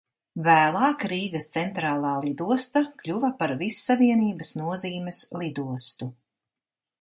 Vēlāk Rīgas Centrālā lidosta kļuva par Vissavienības nozīmes lidostu.